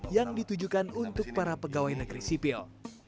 yang ditujukan untuk para pegawai negeri sipil